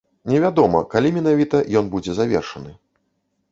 Невядома, калі менавіта ён будзе завершаны.